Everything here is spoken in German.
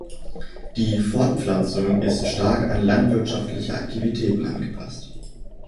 Die Fortpflanzung ist sehr stark an landwirtschaftliche Aktivitäten angepasst.